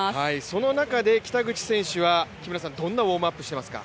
その中で北口選手は、どんなウォームアップしていますか？